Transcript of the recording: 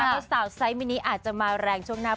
เพราะสาวไซส์มินิอาจจะมาแรงช่วงหน้า